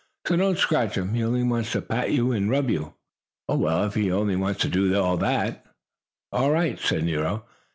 So don't scratch him. He only wants to pat you and rub you." "Oh, well, if he only wants to do that, all right," said Nero.